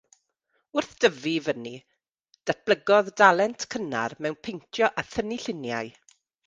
Wrth dyfu i fyny, datblygodd dalent cynnar mewn peintio a thynnu lluniau.